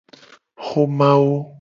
Xomawo.